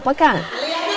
lihatnya ke sebelah kanan